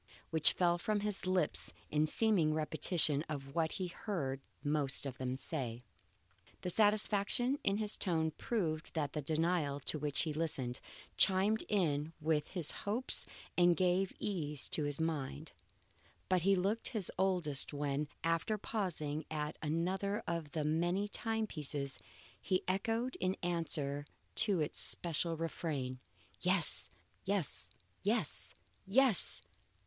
which fell from his lips in seeming repetition of what he heard the most of them say. The satisfaction in his tone proved that the denial to which he listened, chimed in with his hopes and gave ease to his mind. But he looked his oldest when, after pausing at another of the many time pieces, he echoed in answer to its special refrain, Yes! yes! yes! yes!